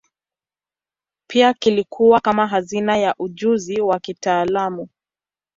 Pia kilikuwa kama hazina ya ujuzi wa kitaalamu.